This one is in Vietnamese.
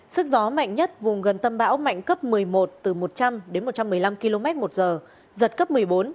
sức gió mạnh nhất vùng gần tâm bão mạnh cấp một mươi một từ một trăm linh đến một trăm một mươi năm km một giờ giật cấp một mươi bốn